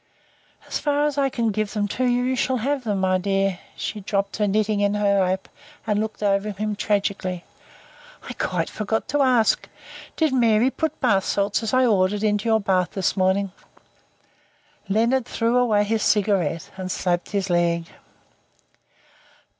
"As far as I can give them you shall have them. My dear " she dropped her knitting in her lap and looked over at him tragically "I quite forgot to ask. Did Mary put bath salts, as I ordered, into your bath this morning?" Leonard threw away his cigarette and slapped his leg.